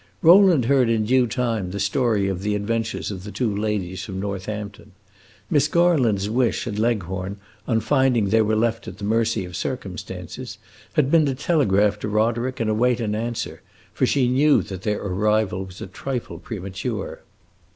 Rowland heard in due time the story of the adventures of the two ladies from Northampton. Miss Garland's wish, at Leghorn, on finding they were left at the mercy of circumstances, had been to telegraph to Roderick and await an answer; for she knew that their arrival was a trifle premature.